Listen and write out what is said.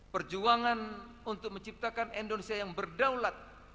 perjuangan untuk menciptakan indonesia yang berdaulat